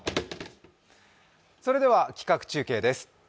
それでは、企画中継です。